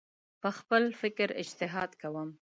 په خپل فکر اجتهاد کوم